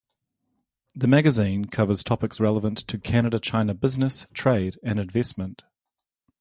The magazine covers topics relevant to Canada-China business, trade and investment.